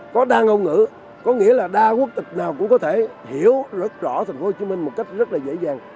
có đa ngôn ngữ có nghĩa là đa quốc tịch nào cũng có thể hiểu rõ tp hcm một cách rất là dễ dàng